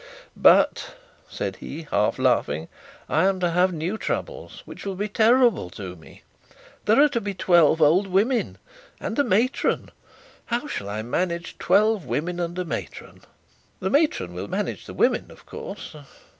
'But,' said he, half laughing, 'I am to have new troubles, which will be terrible to me. There are to be twelve old women, and a matron. How shall I manage twelve women and a matron!' 'The matron will manage the women of course.'